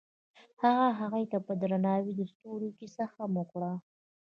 هغه هغې ته په درناوي د ستوري کیسه هم وکړه.